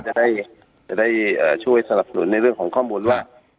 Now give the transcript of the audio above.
จะได้จะได้เอ่อช่วยสนับสนุนในเรื่องของข้อมูลว่าครับ